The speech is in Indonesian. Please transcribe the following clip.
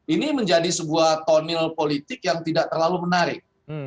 ini menjadi sebuah tonil politik yang tidak terlalu menarik